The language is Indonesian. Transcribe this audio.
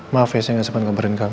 maaf ya saya gak sempat ngobarin kamu